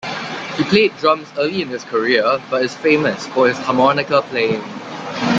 He played drums early in his career but is famous for his harmonica playing.